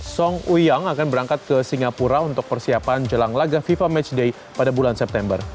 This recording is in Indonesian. song uyang akan berangkat ke singapura untuk persiapan jelang laga fifa matchday pada bulan september